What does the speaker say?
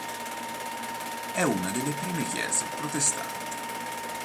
È una delle prime chiese protestanti.